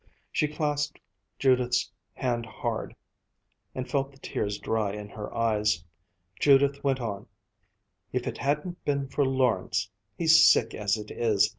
She clasped Judith's hand hard, and felt the tears dry in her eyes. Judith went on: "If it hadn't been for Lawrence he's sick as it is.